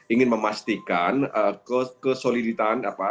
ingin memastikan kesoliditan